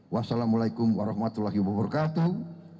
wassalamualaikum warahmatullahi wabarakatuh